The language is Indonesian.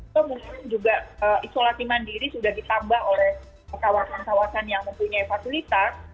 atau mungkin juga isolasi mandiri sudah ditambah oleh kawasan kawasan yang mempunyai fasilitas